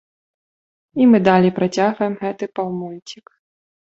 І мы далей працягваем гэты паўмульцік.